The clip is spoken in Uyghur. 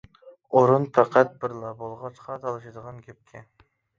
ئورۇن پەقەت بىرلا بولغاچقا تالىشىدىغان گەپكەن.